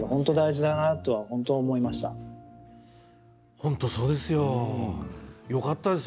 本当そうですよ。